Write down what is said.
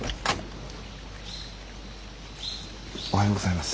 おはようございます。